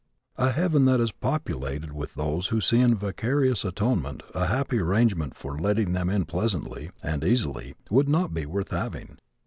A heaven that is populated with those who see in vicarious atonement a happy arrangement for letting them in pleasantly and easily would not be worth having.